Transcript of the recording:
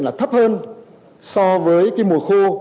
là thấp hơn so với cái mùa khô